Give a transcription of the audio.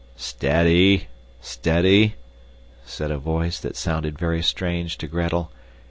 "Steady! Steady!" said a voice that sounded very strange to Gretel.